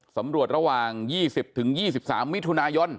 สำรวจระหว่าง๒๐๒๓มิถุนายน